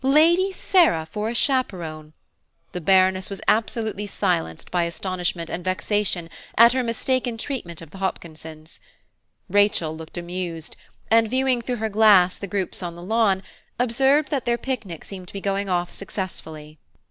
Lady Sarah for a chaperone! the Baroness was absolutely silenced by astonishment and vexation at her mistaken treatment of the Hopkinsons. Rachel looked amused, and, viewing through her glass the groups on the lawn, observed that their picnic seemed to be going off successfully.